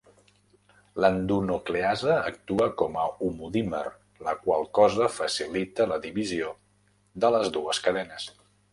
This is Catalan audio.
L'endonucleasa actua com a homodímer, la qual cosa facilita la divisió de les dues cadenes.